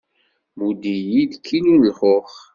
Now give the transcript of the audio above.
Mudd-iyi-d kilu n lxux.